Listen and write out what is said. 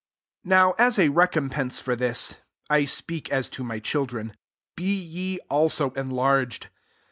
13 Now as a recompense for this, (I speak as to my child ren,) be ye also enlarged.